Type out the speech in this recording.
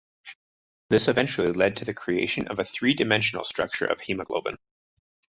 This eventually led to the creation of a three-dimensional structure of haemoglobin.